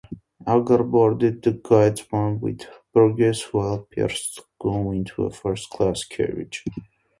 Agar boarded the guard's van with Burgess, while Pierce got into a first-class carriage.